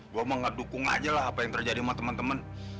gue mau ngedukung aja lah apa yang terjadi sama temen temen